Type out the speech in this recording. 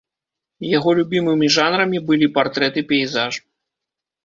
Яго любімымі жанрамі былі партрэт і пейзаж.